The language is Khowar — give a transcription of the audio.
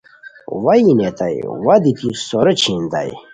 وا یی نیتائے وا دیتی سورو چھینتائے